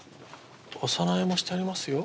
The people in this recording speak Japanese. お供えもしてありますよ。